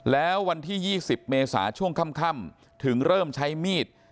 แล้ววันที่๒๐เมษาช่วงค่ำถึงเริ่มใช้มีด